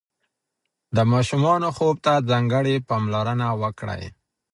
د ماشومانو خوب ته ځانګړې پاملرنه وکړئ.